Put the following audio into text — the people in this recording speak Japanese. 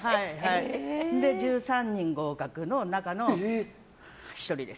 それで１３人合格の中の１人です。